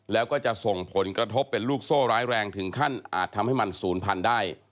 แล้วก็จะส่งผลกระทบเป็นลูกโซ่ร้ายแรงถึงขั้นอาจทำให้มันศูนย์พันธุ์ได้